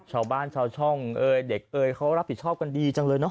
ชาวบ้านชาวช่องเอ่ยเด็กเอ่ยเขารับผิดชอบกันดีจังเลยเนอ